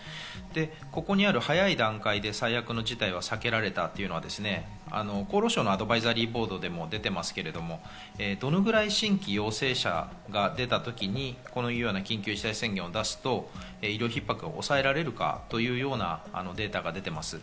ここにある早い段階で最悪の事態は避けられたというのは厚労省のアドバイザリーボードでも出ていますけど、どのぐらい新規陽性者が出た時に、このような緊急事態宣言を出すと医療逼迫を抑えられるかというようなデータが出ています。